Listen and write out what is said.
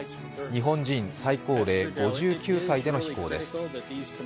日本人最高齢、５９歳での飛行です。